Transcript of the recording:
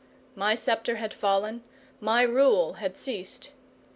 My sceptre had fallen, my rule had ceased.